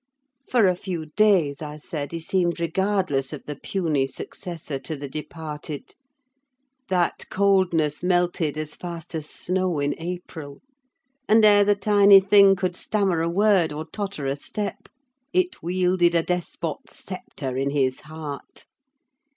For a few days, I said, he seemed regardless of the puny successor to the departed: that coldness melted as fast as snow in April, and ere the tiny thing could stammer a word or totter a step it wielded a despot's sceptre in his heart.